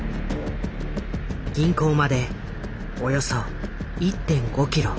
銀行までおよそ１．５キロ。